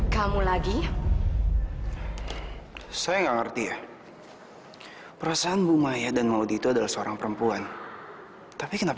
kamu lagi hai saya nggak ngerti ya perasaan bu maya dan maudi itu adalah seorang perempuan tapi kenapa